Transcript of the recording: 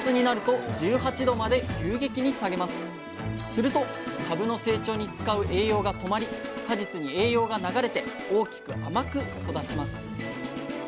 すると株の成長に使う栄養が止まり果実に栄養が流れて大きく甘く育ちます。